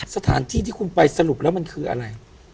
สถานที่ที่คุณไปสรุปแล้วมันคืออะไร